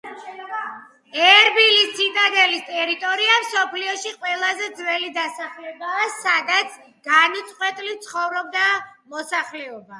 ერბილის ციტადელის ტერიტორია მსოფლიოში ყველაზე ძველი დასახლებაა, სადაც განუწყვეტლივ ცხოვრობდა მოსახლეობა.